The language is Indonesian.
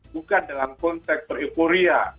bukan dalam konteks berepuria